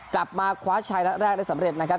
กลับมาคว้าชัยนัดแรกได้สำเร็จนะครับ